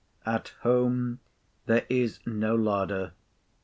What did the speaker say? At home there is no larder.